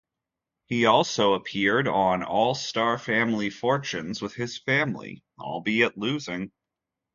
He also appeared on "All Star Family Fortunes" with his family, albeit losing.